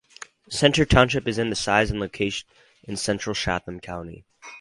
Center Township is in size and located in central Chatham County.